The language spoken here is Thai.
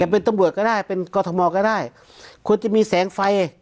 เป็นตำรวจก็ได้เป็นกรทมก็ได้ควรจะมีแสงไฟ